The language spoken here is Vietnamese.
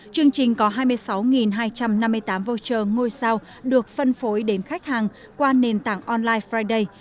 chương trình có hai mươi sáu hai trăm năm mươi tám voucher ngôi sao được phân phối đến khách hàng qua nền tảng online friday